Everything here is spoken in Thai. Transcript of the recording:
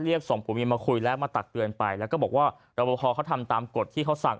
เรียกส่งปุมิมาคุยแล้วมาตัดเตือนไปแล้วก็บอกว่ารบภอเขาทำตามกฎที่เขาสั่ง